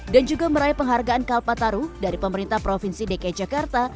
dan juga meraih penghargaan kalpataru dari pemerintah provinsi dki jakarta